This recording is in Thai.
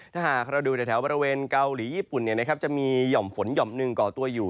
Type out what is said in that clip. ถ้าหากเราดูแถวบริเวณเกาหลีญี่ปุ่นจะมีห่อมฝนหย่อมหนึ่งก่อตัวอยู่